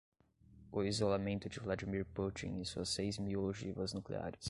O isolamento de Vladimir Putin e suas seis mil ogivas nucleares